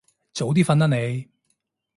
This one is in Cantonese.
早啲瞓啦你